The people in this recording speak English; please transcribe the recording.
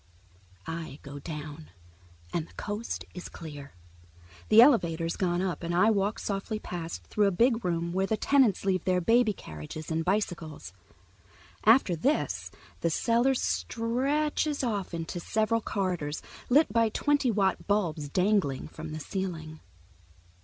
I go down, and the coast is clear. The elevator's gone up, and I walk softly past and through a big room where the tenants leave their baby carriages and bicycles. After this the cellar stretches off into several corridors, lit by twenty watt bulbs dangling from the ceiling.